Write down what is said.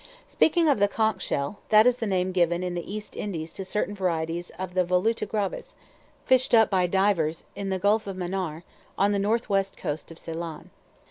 Speaking of the "chank" shell, that is the name given in the East Indies to certain varieties of the voluta gravis, fished up by divers in the Gulf of Manaar, on the northwest coast of Ceylon.